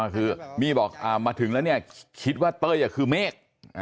คือมี่บอกมาถึงแล้วเนี่ยคิดว่าเต้ยคือเมฆ